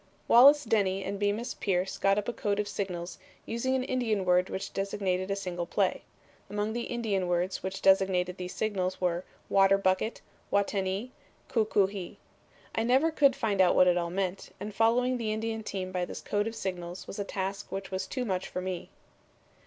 "Wallace Denny and Bemus Pierce got up a code of signals, using an Indian word which designated a single play. Among the Indian words which designated these signals were Water bucket, Watehnee, Coocoohee. I never could find out what it all meant, and following the Indian team by this code of signals was a task which was too much for me."